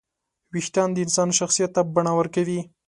وېښتيان د انسان شخصیت ته بڼه ورکوي.